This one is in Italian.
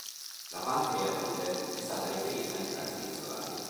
La pancreatite è stata riferita in casi isolati.